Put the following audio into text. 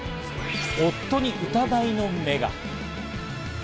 夫に疑いの目が。